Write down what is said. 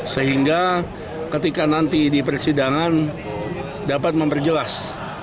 sehingga ketika nanti di persidangan dapat memperjelas